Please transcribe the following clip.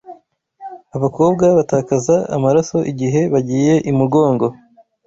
abakobwa batakaza amaraso igihe bagiye imugongo